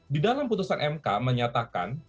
di dalam putusan mk menyatakan